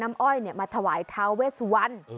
น้ำอ้อยเหรอ